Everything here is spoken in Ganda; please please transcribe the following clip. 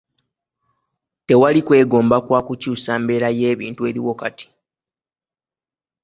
Tewali kwegomba kwa kukyuusa embeera y'ebintu eriwo kati.